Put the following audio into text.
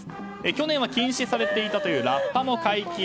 去年は禁止されていたというラッパも解禁。